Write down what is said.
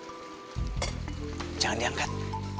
emang jangan diangkat